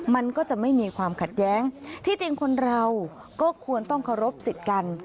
มันก็จะไม่มีความขัดแย้งที่จริงคนเราก็ควรต้องเคารพสิทธิ์กัน